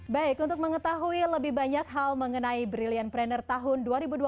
baik untuk mengetahui lebih banyak hal mengenai brilliant pranner tahun dua ribu dua puluh